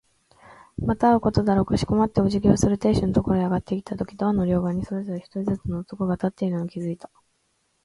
また会うことだろう。かしこまってお辞儀をする亭主のところへ上がっていったとき、ドアの両側にそれぞれ一人ずつの男が立っているのに気づいた。